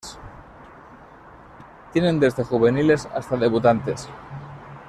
Tienen desde juveniles hasta debutantes.